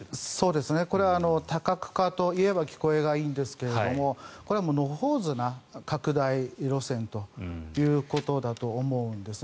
これは多角化といえば聞こえがいいんですけれどもこれは野放図な拡大路線ということだと思うんです。